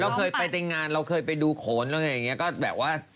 เราเคยไปในงานเราเคยไปดูโขนเราอะไรอย่างนี้ก็แบบว่า